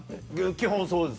基本そうです